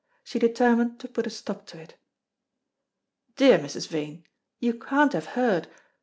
She determined to put a stop to it. "Dear Mrs. Vane, you can't have heard.